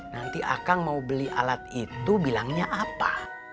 nanti akang mau beli alat itu bilangnya apa